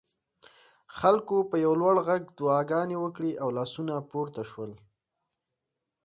خلکو په یو لوړ غږ دعاګانې وکړې او لاسونه پورته شول.